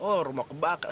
oh rumah kebakar